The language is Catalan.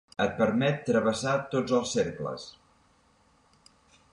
Et permet travessar tots els cercles.